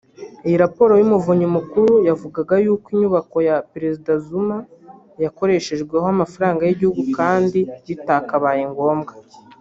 Iyo raporo y’umuvunyi mukuru yavugaga yuko inyubako ya Perezida Zuma yakoreshejweho amafaranga y’igihugu kandi bitakabaye ngombwa